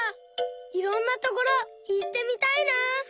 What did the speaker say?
いろんなところいってみたいな！